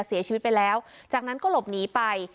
เสียชีวิตไปแล้วจากนั้นก็หลบหนีไป